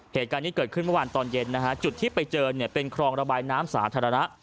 เหตุการณ์นี้เกิดขึ้นเมื่อวานตอนเย็นนะฮะจุดที่ไปเจอเนี่ยเป็นคลองระบายน้ำสาธารณะ